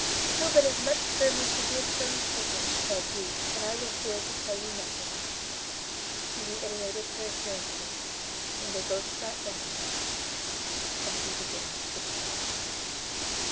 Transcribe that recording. "Shew but as much firmness as you have shewn sweetness," cried he, "and I will fear to tell you nothing." She reiterated her assurances; they then both sat down, and he began his account.